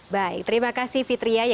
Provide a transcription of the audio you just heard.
baik terima kasih fitriya